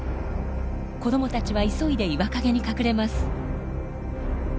子どもたちは急いで岩陰に隠れます。